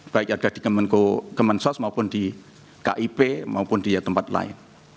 baik ada di kemensos maupun di kip maupun di tempat lain